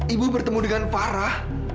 ibu bertemu dengan farah